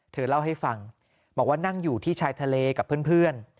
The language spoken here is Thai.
เธอเล่าให้ฟังบอกว่านั่งอยู่ที่ชายทะเลกับเพื่อน